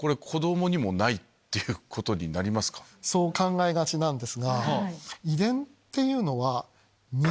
そう考えがちなんですが。